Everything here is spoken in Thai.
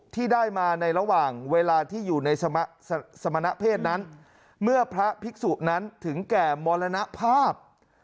ที่ได้มาในระหว่างเวลาที่อยู่ในสมณเพศนั้นเมื่อพระภิกษุนั้นถึงแก่มรณภาพ